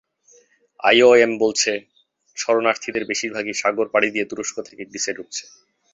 IOM বলছে, শরণার্থীদের বেশির ভাগই সাগর পাড়ি দিয়ে তুরস্ক থেকে গ্রিসে ঢুকেছে।